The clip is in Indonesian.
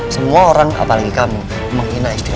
semua orang apalagi kamu menghina sdm